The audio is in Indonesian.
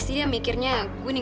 iya ma aku kangen